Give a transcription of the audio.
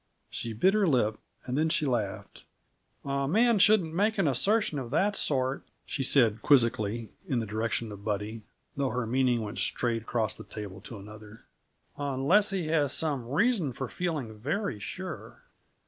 She bit her lip, and then she laughed. "A man shouldn't make an assertion of that sort," she said quizzically, in the direction of Buddy though her meaning went straight across the table to another "unless he has some reason for feeling very sure."